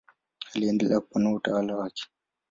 Aliendelea kupanua utawala wake.